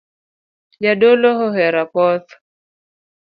Jadolo ohero apoth